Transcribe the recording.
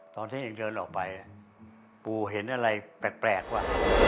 ตอนที่เองเดินออกไปปูเห็นอะไรแปลกว่ะ